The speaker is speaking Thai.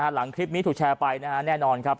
หลังคลิปนี้ถูกแชร์ไปนะฮะแน่นอนครับ